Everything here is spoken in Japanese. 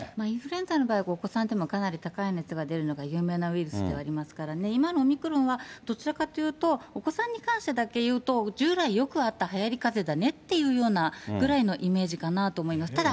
インフルエンザの場合はお子さんでもかなり高い熱が出るのが有名なウイルスではありますからね、今のオミクロンは、どちらかというと、お子さんに関してだけいうと、従来よくあったはやりかぜだねっていうぐらいのイメージかなと思います。